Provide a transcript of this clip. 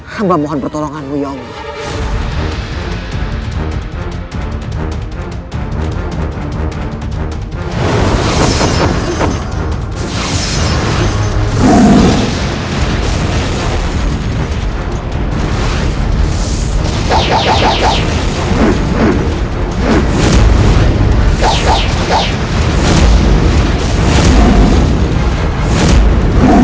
hamba mohon pertolonganmu ya allah